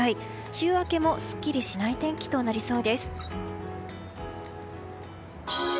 週明けもすっきりしない天気となりそうです。